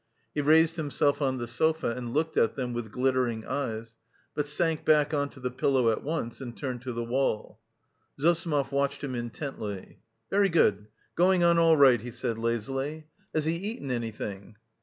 He raised himself on the sofa and looked at them with glittering eyes, but sank back on to the pillow at once and turned to the wall. Zossimov watched him intently. "Very good.... Going on all right," he said lazily. "Has he eaten anything?"